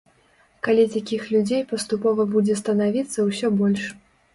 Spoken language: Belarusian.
Калі такіх людзей паступова будзе станавіцца ўсё больш.